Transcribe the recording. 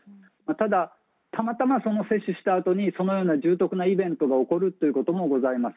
ただ、たまたま接種したあとにそのような重篤なイベントが起こることもございます。